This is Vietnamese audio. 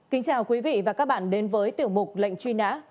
kính chào quý vị và các bạn đến với tiểu mục lệnh truy nã